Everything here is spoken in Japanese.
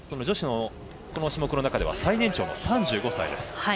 女子のこの種目の中では最年長の３５歳です。